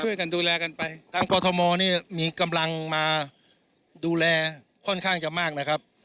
ช่วยกันดูแลกันไปทางกรทมนี่มีกำลังมาดูแลค่อนข้างจะมากนะครับ